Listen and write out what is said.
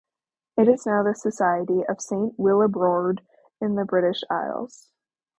It is now the Society of Saint Willibrord in the British Isles.